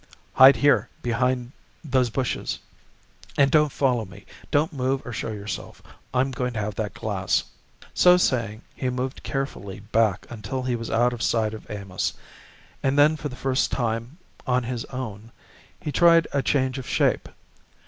"Hide here behind those bushes and don't follow me. Don't move or show yourself. I'm going to have that glass." So saying he moved carefully back until he was out of sight of Amos, and then, for the first time on his own, he tried a change of shape.